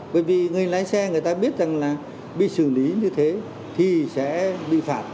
bởi vì người lái xe người ta biết rằng là bị xử lý như thế thì sẽ bị phạt